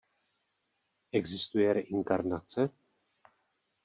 Existuje reinkarnace?